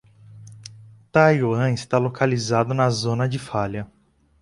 Taiwan está localizado na zona de falha